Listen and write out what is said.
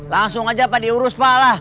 langsung aja pada urus